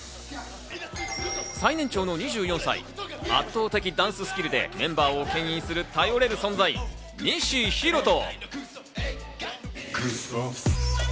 最年長の２４歳、圧倒的ダンススキルでメンバーを牽引する頼れる存在、西洸人。